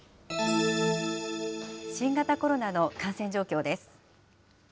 新型コロナの感染状況です。